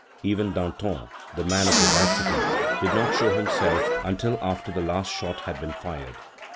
Even Danton, the man of "audacity," did not show himself until after the last shot had been fired.